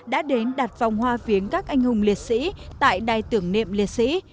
đã đến đặt vòng hoa viếng các anh hùng liệt sĩ tại đài tưởng niệm liệt sĩ